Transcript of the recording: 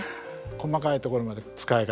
細かいところまで使い方。